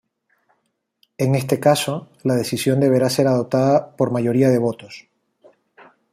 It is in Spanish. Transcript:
En este caso, la decisión deberá ser adoptada por mayoría de votos.